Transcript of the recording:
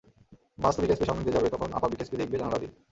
বাস তো বিকেএসপির সামনে দিয়া যাবে, তখন আপা বিকেএসপি দেখবে জানলা দিয়া।